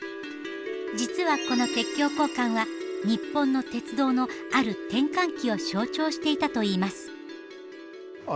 実はこの鉄橋交換は日本の鉄道のある転換期を象徴していたといいます。